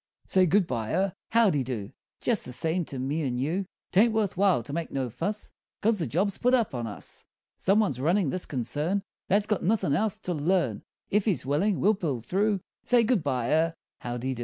Say good bye er howdy do Jest the same to me and you; 'Taint worth while to make no fuss, 'Cause the job's put up on us! Some one's runnin' this concern That's got nothin' else to learn If he's willin', we'll pull through. Say good bye or howdy do!